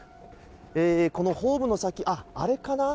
このホームの先、あれかな？